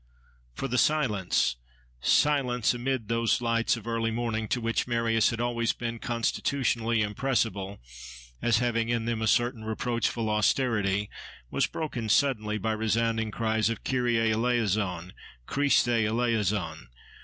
For the silence—silence, amid those lights of early morning to which Marius had always been constitutionally impressible, as having in them a certain reproachful austerity—was broken suddenly by resounding cries of Kyrie Eleison! Christe Eleison!